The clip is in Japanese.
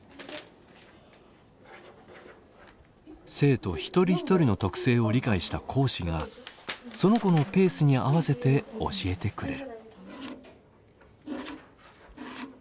生徒一人一人の特性を理解した講師がその子のペースに合わせて教えてくれる。